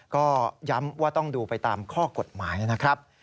ก็ย้ำว่าต้องดูไปตามข้อกฎหมายนะครับ